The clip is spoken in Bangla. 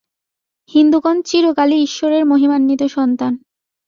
হিন্দুগণ চিরকালই ঈশ্বরের মহিমান্বিত সন্তান।